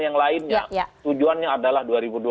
yang lainnya tujuannya adalah